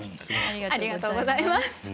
ありがとうございます。